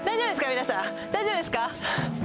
皆さん、大丈夫ですか？